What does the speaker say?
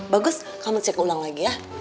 bagus kamu cek ulang lagi ya